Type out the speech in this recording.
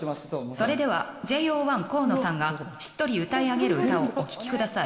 それではＪＯ１河野さんがしっとり歌い上げる歌をお聞きください。